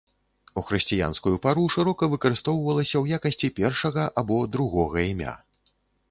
У хрысціянскую пару шырока выкарыстоўвалася ў якасці першага або другога імя.